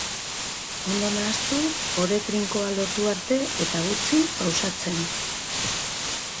Ondo nahastu, ore trinkoa lortu arte, eta utzi pausatzen.